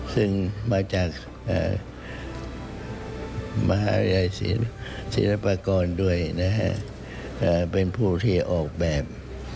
ซึ่งมาจากมหาริยาศิลปกรณ์ด้วยเป็นผู้ที่ออกแบบ